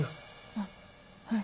あっはい。